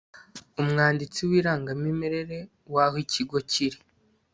Umwanditsi w irangamimerere w aho ikigo kiri